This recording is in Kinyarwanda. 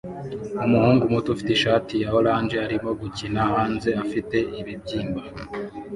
Umuhungu muto ufite ishati ya orange arimo gukina hanze afite ibibyimba